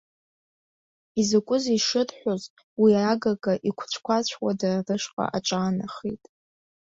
Изакәызеи шырҳәоз, уи агага, иқәацә-қәацәуа дара рышҟа аҿаанахеит.